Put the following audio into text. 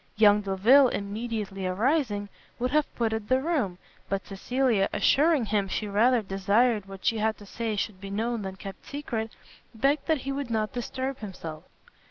Young Delvile, immediately arising, would have quitted the room; but Cecilia, assuring him she rather desired what she had to say should be known than kept secret, begged that he would not disturb himself.